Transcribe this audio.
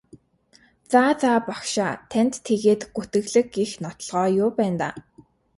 За за багшаа танд тэгээд гүтгэлэг гэх нотолгоо юу байна даа?